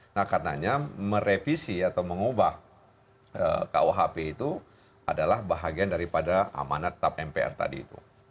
nah karenanya merevisi atau mengubah kuhp itu adalah bahagian daripada amanat tap mpr tadi itu